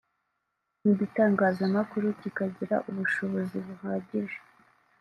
n’igitangazamakuru kikagira ubushobozi buhagije”